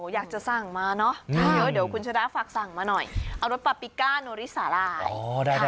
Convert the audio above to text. อยากจะสั่งมาเนอะเดี๋ยวคุณชนะฝากสั่งมาหน่อยเอารสปาปิก้าโนริสารา